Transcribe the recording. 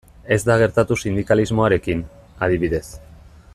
Ez da gertatu sindikalismoarekin, adibidez.